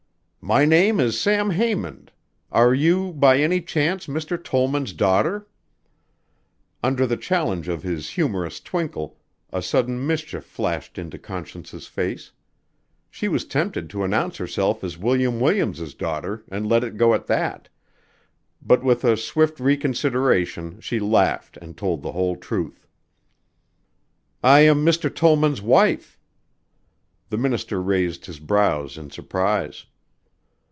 "My name is Sam Haymond. Are you, by any chance, Mr. Tollman's daughter?" Under the challenge of his humorous twinkle, a sudden mischief flashed into Conscience's face. She was tempted to announce herself as William Williams' daughter and let it go at that, but with a swift reconsideration she laughed and told the whole truth. "I am Mr. Tollman's wife." The minister raised his brows in surprise.